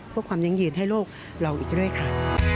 เพราะความยังยืนให้โลกเราอีกด้วยค่ะ